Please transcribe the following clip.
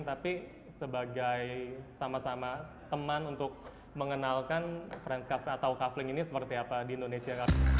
tapi sebagai sama sama teman untuk mengenalkan friends kafe atau kaveling ini seperti apa di indonesia